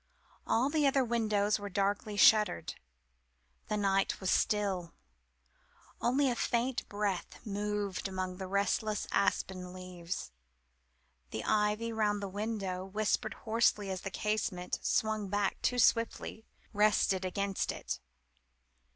All the other windows were darkly shuttered. The night was still: only a faint breath moved among the restless aspen leaves. The ivy round the window whispered hoarsely as the casement, swung back too swiftly, rested against it.